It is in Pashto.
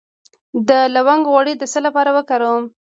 د لونګ غوړي د څه لپاره وکاروم؟